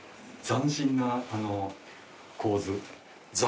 斬新な構図。